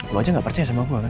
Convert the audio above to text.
lo aja gak percaya sama gue kan